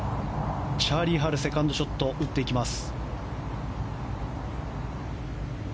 チャーリー・ハルセカンドショットを打っていきます。